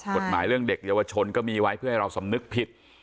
กฎหมายเรื่องเด็กเยาวชนก็มีไว้เพื่อให้เราสำนึกผิด